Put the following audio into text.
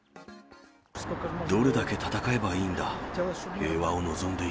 どれだけ戦えばいいんだ。